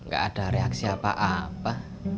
gak ada reaksi apa apa